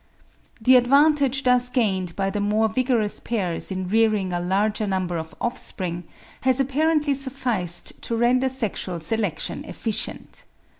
The advantage thus gained by the more vigorous pairs in rearing a larger number of offspring has apparently sufficed to render sexual selection efficient.